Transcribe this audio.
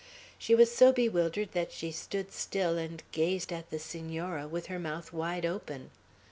She was so bewildered that she stood still and gazed at the Senora, with her mouth wide open.